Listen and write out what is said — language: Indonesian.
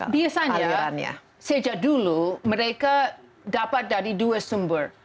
biasanya sejak dulu mereka dapat dari dua sumber